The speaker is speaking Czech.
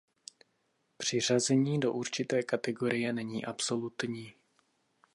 Přiřazení do určité kategorie není absolutní.